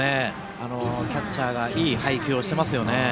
キャッチャーがいい配球をしていますね。